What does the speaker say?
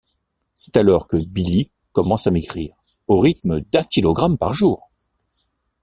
C'est alors que Billy commence à maigrir, au rythme d'un kilogramme par jour.